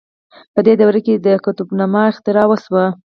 په دې دوره کې د قطب نماء اختراع وشوه.